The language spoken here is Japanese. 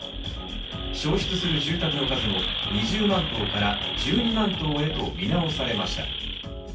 焼失する住宅の数も２０万棟から１２万棟へと見直されました。